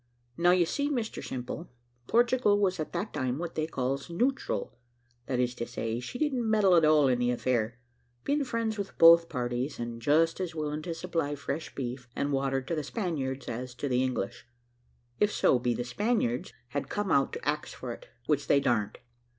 Now, you see, Mr Simple, Portugal was at that time what they calls neutral, that is to say, she didn't meddle at all in the affair, being friends with both parties, and just as willing to supply fresh beef and water to the Spaniards as to the English, if so be the Spaniards had come out to ax for it, which they dar'n't.